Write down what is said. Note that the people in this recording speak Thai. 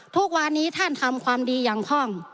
ทุกวันนี้ท่านทำความดีอย่างคล่อง